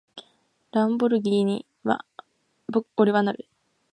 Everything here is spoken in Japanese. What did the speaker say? ランボルギーニに、俺はなる！